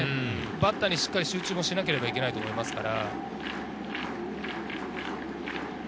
バッターにしっかり集中しなければいけないと思いますから。